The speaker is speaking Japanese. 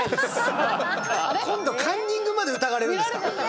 今度カンニングまで疑われるんですか？